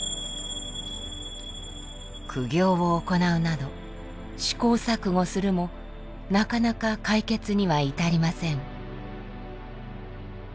苦行を行うなど試行錯誤するもなかなか解決には至りません。